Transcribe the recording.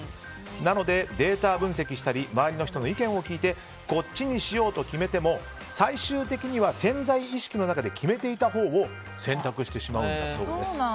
なので、データ分析したり周りの人の意見を聞いて決めても最終的には潜在意識の中で決めていたほうを選択してしまうそうです。